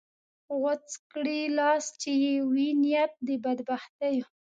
غوڅ کړې لاس چې یې وي نیت د بدبختیو